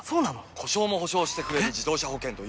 故障も補償してくれる自動車保険といえば？